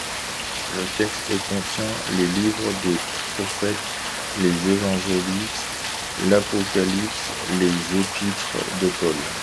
Le texte contient les livres des prophètes, les évangiles, l'Apocalypse, les épîtres de Paul.